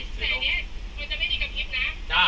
ส่วนข้อมีการหรือเปล่า